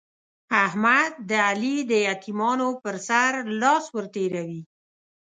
احمد د علي د يتيمانو پر سر لاس ور تېروي.